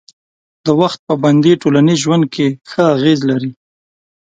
د وخت پابندي ټولنیز ژوند کې ښه اغېز لري.